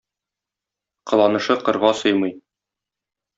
Кыланышы кырга сыймый.